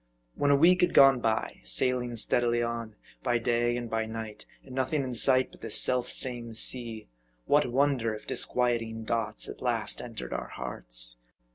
When a week had gone by, sailing steadily on, by day and by night, and nothing in sight but this self same sea, what wonder if disquieting thoughts at last entered our hearts